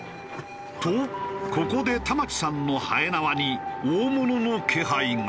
とここで田町さんの延縄に大物の気配が。